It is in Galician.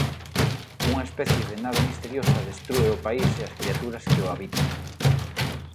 Unha especie de Nada misteriosa destrúe o país e as criaturas que o habitan.